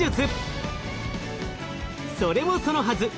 それもそのはず